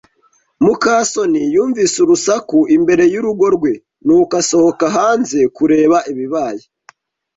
muka soni yumvise urusaku imbere y'urugo rwe, nuko asohoka hanze kureba ibibaye.